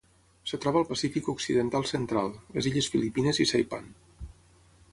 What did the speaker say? Es troba al Pacífic occidental central: les illes Filipines i Saipan.